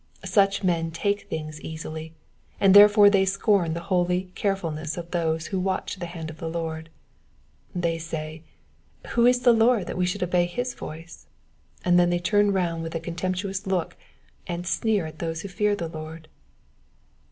Such men take things easily, and therefore they scorn the holy carefulness of those who watch the hand of the Lord. They say. Who is the Lord that we should obey his voice ? and then they turn round with a contemptuous look and sneer at those who fear the Lord.